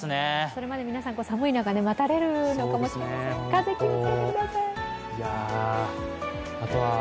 それまで皆さん寒い中で待たれるのかもしれません。